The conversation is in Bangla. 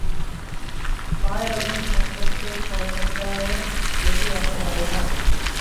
পায়ের ওজন কমপক্ষে ছয় সপ্তাহের বেশি রাখা যাবে না।